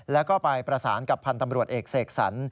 แล้วก็ไปประสานกับพันธ์ตำรวจเอกเสกสรร